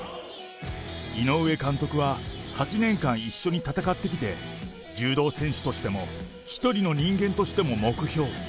井上監督は８年間、一緒に戦ってきて、柔道選手としても、一人の人間としても目標。